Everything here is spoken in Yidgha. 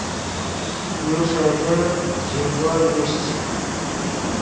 یو ݰئیلے ژینگو لیشچ